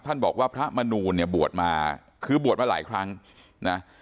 ท่านบอกว่าพระมนูลเนี่ยบวชมาคือบวชมาหลายครั้งนะ